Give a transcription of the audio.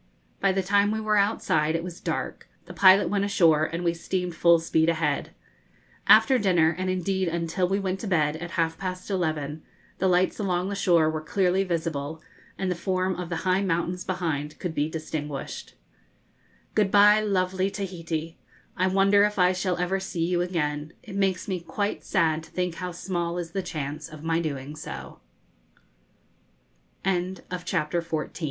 By the time we were outside it was dark, the pilot went ashore, and we steamed full speed ahead. After dinner, and indeed until we went to bed, at half past eleven, the lights along the shore were clearly visible, and the form of the high mountains behind could be distinguished. Good bye, lovely Tahiti! I wonder if I shall ever see you again; it makes me quite sad to think how small is the chance of my doing so.